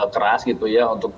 keras gitu ya untuk